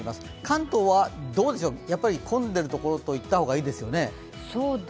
関東はやっぱり混んでるところと言っていいですね。